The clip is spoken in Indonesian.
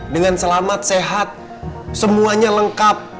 dengan selamat sehat semuanya lengkap